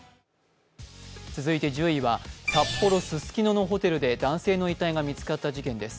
続いて１０位は札幌・ススキノのホテルで男性の遺体が見つかった事件です。